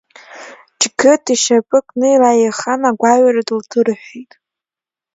Џьгыҭ ишьапы кны илаихан, агәаҩара дылҭырҳәеит.